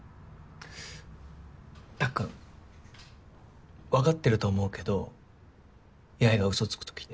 たっくんわかってると思うけど八重がうそつくときって。